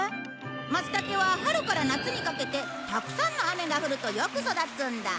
松たけは春から夏にかけてたくさんの雨が降るとよく育つんだ。